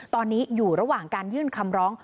ตอนนี้อยู่ระหว่างการยื่นคำร้อง